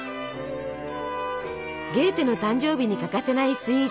ゲーテの誕生日に欠かせないスイーツ